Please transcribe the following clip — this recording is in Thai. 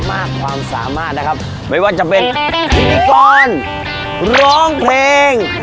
มากความสามารถนะครับไม่ว่าจะเป็นพิธีกรร้องเพลง